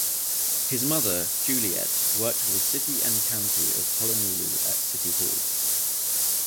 His mother, Juliette, worked for the City and County of Honolulu at City Hall.